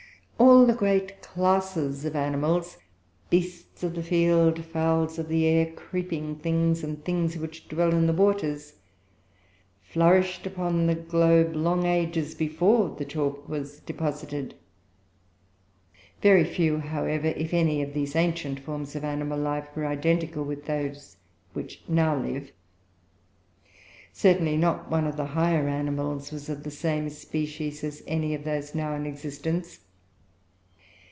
All the great classes of animals, beasts of the field, fowls of the air, creeping things, and things which dwell in the waters, flourished upon the globe long ages before the chalk was deposited. Very few, however, if any, of these ancient forms of animal life were identical with those which now live. Certainly not one of the higher animals was of the same species as any of those now in existence.